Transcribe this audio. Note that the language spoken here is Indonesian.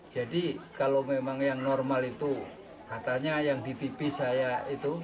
jadi kalau memang yang normal itu katanya yang di tv saya itu